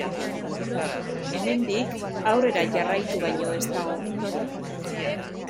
Hemendik, aurrera jarraitu baino ez dago.